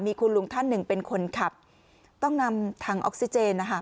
มีคุณลุงท่านหนึ่งเป็นคนขับต้องนำถังออกซิเจนนะคะ